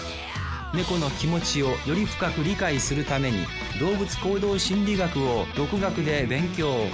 猫の気持ちをより深く理解するために動物行動心理学を独学で勉強。